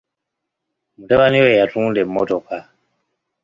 Mutabani we yatunda emmotoka.